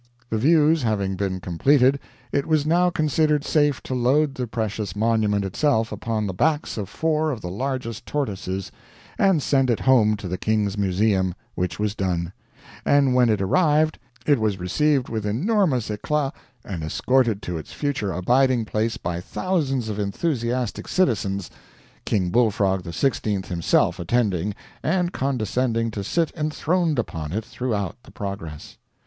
The views having been completed, it was now considered safe to load the precious Monument itself upon the backs of four of the largest Tortoises and send it home to the king's museum, which was done; and when it arrived it was received with enormous érclat and escorted to its future abiding place by thousands of enthusiastic citizens, King Bullfrog XVI. himself attending and condescending to sit enthroned upon it throughout the progress.